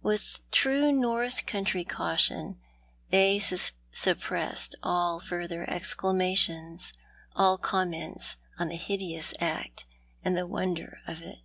With true north country caution they suppressed all further exclamations, all comments on the hideous act and the wonder of it.